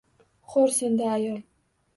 Xo‘rsindi ayol.